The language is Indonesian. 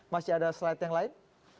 masih ada slide yang lain